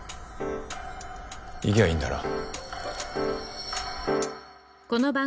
行きゃいいんだろ。